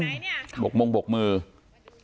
อ๋อมาดูเบ็ดแล้วทำไมมานอนหลับอยู่ตรงนี้อ่ะฮะ